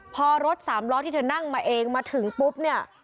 พอรถสามล้อที่เธอนั่งมาเองมาถึงปุ๊บเนี่ย